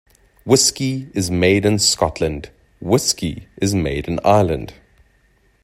Whisky is made in Scotland; whiskey is made in Ireland.